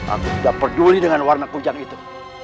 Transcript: aku sudah peduli dengan warna kujang itu